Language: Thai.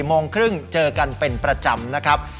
โมงครึ่งเจอกันเป็นประจำนะครับ